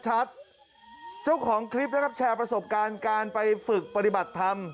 เจ้าของคลิปนะครับแชร์ประสบการณ์การไปฝึกปฏิบัติธรรม